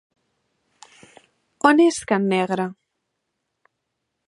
On és can Negre?